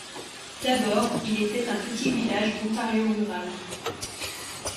D'abord il était un petit village d'Ontario rural.